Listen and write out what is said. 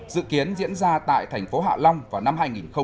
dự kiến diễn ra tại thành phố hạ long vào năm hai nghìn hai mươi